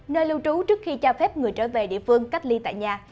nơi lưu trú trước khi cho phép người trở về địa phương cách ly tại nhà